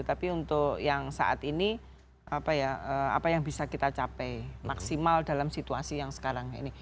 tapi untuk yang saat ini apa yang bisa kita capai maksimal dalam situasi yang sekarang ini